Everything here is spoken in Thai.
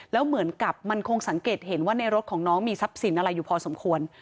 แล้วเหมือนกับมันคงสังเกตเห็นว่าในรถของน้องมีทรัพย์สินอะไรอยู่พอสมควร